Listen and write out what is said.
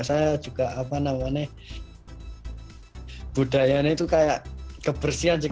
saya juga apa namanya budaya ini tuh kayak kebersihan sih